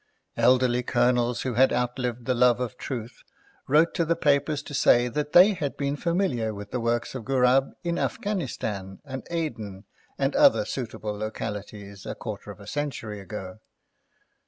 Elderly colonels, who had outlived the love of truth, wrote to the papers to say that they had been familiar with the works of Ghurab in Afghanistan, and Aden, and other suitable localities a quarter of a century ago.